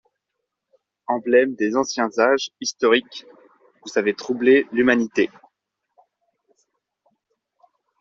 Emblèmes des anciens âges historiques, vous avez troublé l'humanité.